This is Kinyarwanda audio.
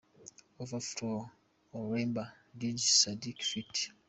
Overflow – Alemba & Dj Sadic ft.